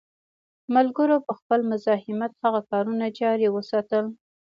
ملګرو په خپل مزاحمت هغه کارونه جاري وساتل.